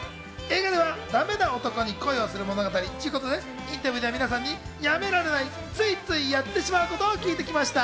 映画ではダメな男に恋をする物語ということで、インタビューでは、皆さんにやめられない、ついついやってしまうことを聞いてきました。